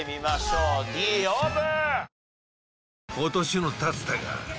Ｄオープン！